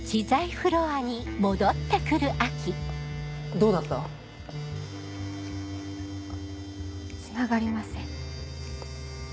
どうだった？つながりません。